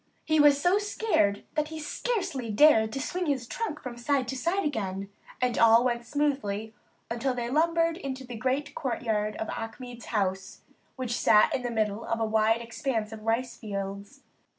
He was so scared that he scarcely dared to swing his trunk from side to side again; and all went smoothly until they lumbered into the great courtyard of Achmed's house, which sat in the midst of a wide expanse of rice fields.